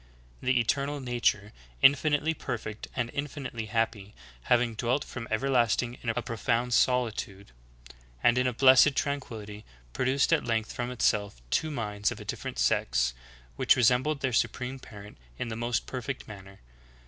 "'The eternal na ture, infinitely perfect and infinitely happy, having dwelt from everlasting in a profound solitude, and in a blessed tranquility, produced at length from itself, two minds of a different sex, which resembled their supreme parent in the most perfect manner.